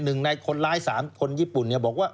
หนึ่งในคนร้ายสามคนญี่ปุ่นเนี่ยบอกว่า